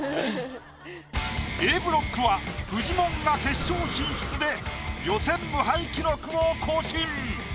Ａブロックはフジモンが決勝進出で予選無敗記録を更新！